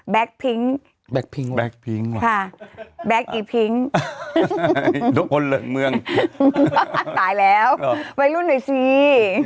แบล็คพิ้งแบล็คพิ้งแบล็คอีพิ้งทุกคนเหลือเมืองตายแล้วไว้รุ่นหน่อยสิ